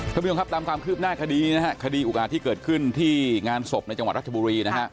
ตามความคืบหน้าคดีอุปกรณ์ที่เกิดขึ้นที่งานศพในจังหวัดรัชบุรี